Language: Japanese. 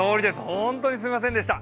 本当にすみませんでした。